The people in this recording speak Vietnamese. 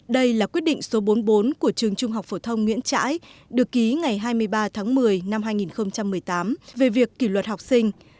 đây là quyết định số bốn mươi bốn của trường trung học phổ thông nguyễn trãi được ký ngày hai mươi ba tháng một mươi năm hai nghìn một mươi tám về việc kỷ luật học sinh